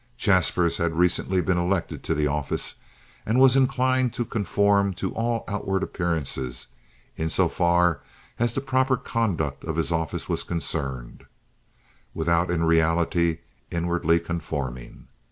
Jaspers had recently been elected to office, and was inclined to conform to all outward appearances, in so far as the proper conduct of his office was concerned, without in reality inwardly conforming.